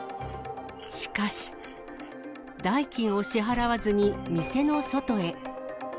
しかし、代金を支払わずに店の外へ。